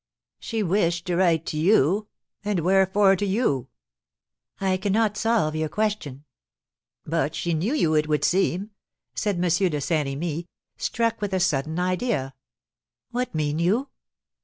"She wished to write to you; and wherefore to you?" "I cannot solve your question." "But she knew you, it would seem," said M. de Saint Remy, struck with a sudden idea. "What mean you?"